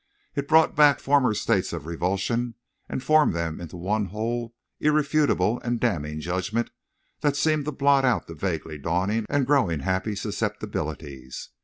It brought back former states of revulsion and formed them in one whole irrefutable and damning judgment that seemed to blot out the vaguely dawning and growing happy susceptibilities.